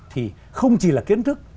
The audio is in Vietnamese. thì không chỉ là kiến thức